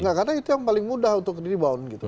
karena itu yang paling mudah untuk rebound gitu